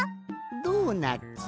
ドーナツ？